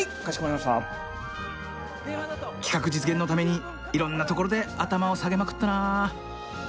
企画実現のためにいろんな所で頭を下げまくったな。